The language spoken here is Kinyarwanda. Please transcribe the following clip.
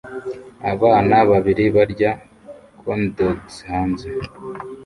Abana babiri barya corndogs hanze